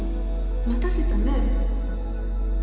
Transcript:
待たせたね。